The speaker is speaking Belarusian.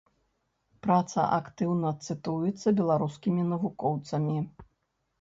Праца актыўна цытуецца беларускімі навукоўцамі.